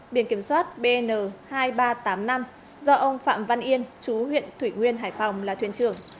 một trăm tám mươi năm biển kiểm soát bn hai nghìn ba trăm tám mươi năm do ông phạm văn yên chú huyện thủy nguyên hải phòng là thuyền trưởng